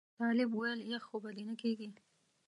طالب ویل یخ خو به دې نه کېږي.